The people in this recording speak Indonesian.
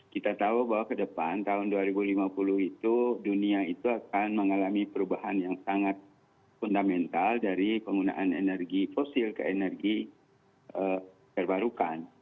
kita tahu bahwa ke depan tahun dua ribu lima puluh itu dunia itu akan mengalami perubahan yang sangat fundamental dari penggunaan energi fosil ke energi terbarukan